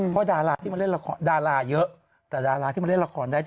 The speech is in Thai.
เพราะดาราที่มาเล่นละครดาราเยอะแต่ดาราที่มาเล่นละครได้